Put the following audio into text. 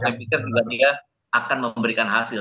saya pikir juga dia akan memberikan hasil